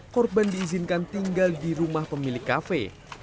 korban diizinkan tinggal di rumah pemilik kafe